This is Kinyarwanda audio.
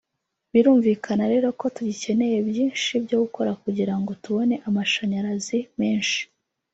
Birumvikana rero ko tugikeneye byinshi byo gukora kugira ngo tubone amashanyarazi menshi